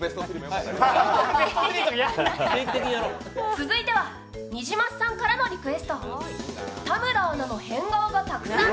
続いてはニジマスさんからのリクエスト。